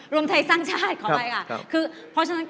รวมทัยสร้างชาติของเราค่ะ